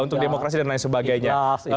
untuk demokrasi dan lain sebagainya